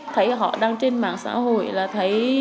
thấy họ đang trên mạng xã hội là thấy